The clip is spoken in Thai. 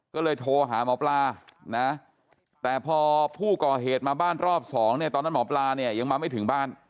ก็เลยโทรหาหมอปลานะแต่พอผู้ก่อเหตุมาบ้านรอบสองเนี่ยตอนนั้นหมอปลาเนี่ยยังมาไม่ถึงบ้าน